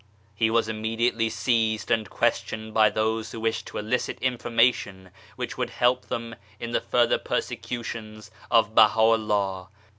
" He was immediately seized and questioned by those who wished to elicit information which would help them in the further persecutions of Baha'u'llah.